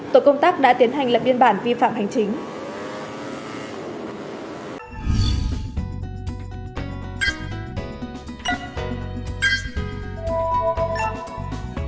tổ công tác đã tiến hành lập biên bản vi phạm hành chính